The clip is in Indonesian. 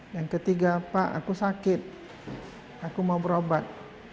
yang ketiga pak aku sakit aku mau berobat